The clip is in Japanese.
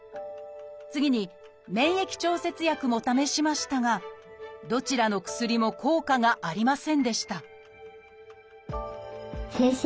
次に免疫調節薬も試しましたがどちらの薬も効果がありませんでした